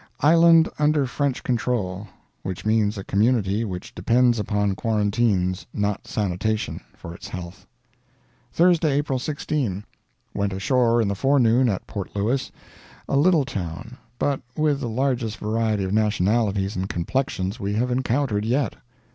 Island under French control which means a community which depends upon quarantines, not sanitation, for its health. Thursday, April 16. Went ashore in the forenoon at Port Louis, a little town, but with the largest variety of nationalities and complexions we have encountered yet.